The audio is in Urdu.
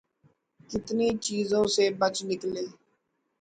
کتنی چیزوں سے بچ نکلے۔